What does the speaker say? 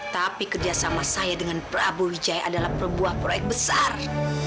tapi kerjasama saya dengan prabu wijaya adalah sebuah proyek besar